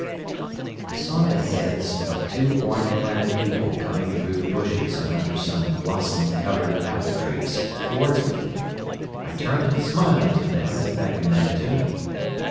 "I saw the heads of two orange clad people coming through the bushes and under some blossom covered apple trees towards me. I turned smiling to them, and beckoned them to me.